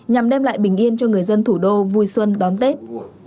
nhằm đem lại bình yên cho người dân thủ đô vui xuân đón tết